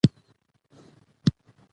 سړی د تجربې پر بنسټ فکر کوي